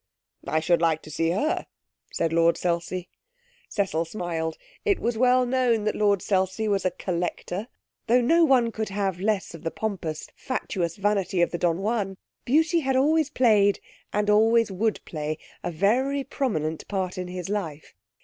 'I should like to see her,' said Lord Selsey. Cecil smiled. It was well known that Lord Selsey was a collector. Though no one could have less of the pompous, fatuous vanity of the Don Juan, beauty had always played, and always would play, a very prominent part in his life.